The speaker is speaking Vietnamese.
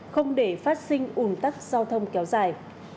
không để phát sinh ủn tắc giao thông kéo dài